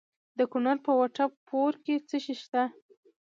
د کونړ په وټه پور کې څه شی شته؟